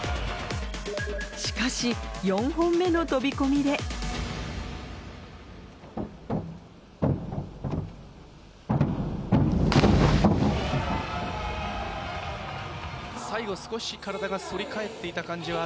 しかし４本目の飛込で最後少し体が反り返っていた感じはある。